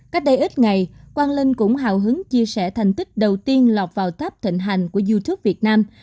cách đây ít ngày quang linh cũng hào hứng chia sẻ thành tích đầu tiên lọt vào tháp thịnh hành của youtube việt nam